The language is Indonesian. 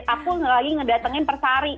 aku lagi ngedatengin persari